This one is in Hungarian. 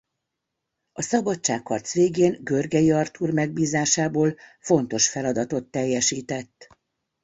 A szabadságharc végén Görgey Artúr megbízásából fontos feladatot teljesített.